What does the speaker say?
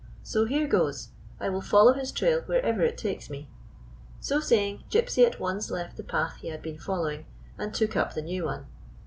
So here goes. I will follow his trail wherever it takes me!" So saying Gypsy at once left the path he had been following, and took up the new one.